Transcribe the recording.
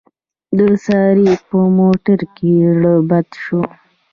د سارې په موټر کې زړه بد شو.